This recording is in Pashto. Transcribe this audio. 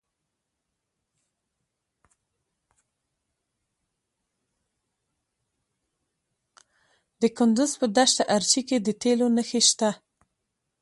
د کندز په دشت ارچي کې د تیلو نښې شته.